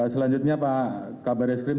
selanjutnya pak kabar eskrim